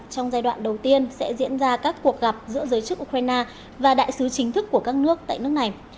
trong giai đoạn đầu tiên sẽ diễn ra các cuộc gặp giữa giới chức ukraine và đại sứ chính thức của các nước tại nước này